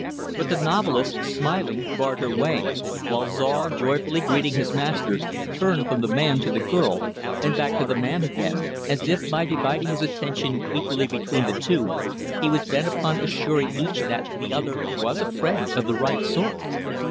But the novelist, smiling barred her way; while Czar, joyfully greeting his master, turned from the man to the girl and back to the man again, as if, by dividing his attention equally between the two, he was bent upon assuring each that the other was a friend of the right sort.